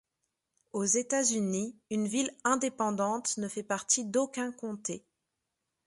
Aux États-Unis, une ville indépendante ne fait partie d'aucun comté.